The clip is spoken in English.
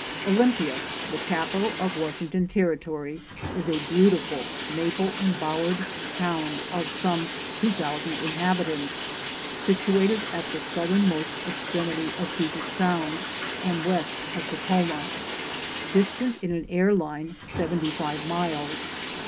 Olympia, the capital of Washington Territory, is a beautiful, maple embowered town of some two thousand inhabitants, situated at the southernmost extremity of Puget Sound, and west of Takhoma, distant in an air line seventy five miles.